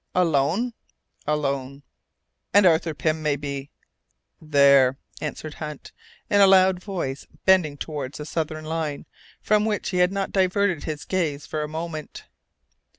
"Alone?" "Alone." "And Arthur Pym may be " "There," answered Hunt, in a loud voice, bending towards the southern line, from which he had not diverted his gaze for a moment.